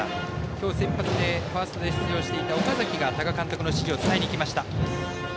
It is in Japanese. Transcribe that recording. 今日先発でファーストで出場していた岡崎が多賀監督の指示を伝えに行きました。